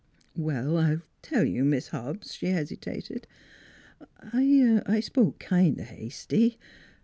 " Well, I'll tell you, Mis' Hobbs," she hesi tated. " I spoke kind o' hasty.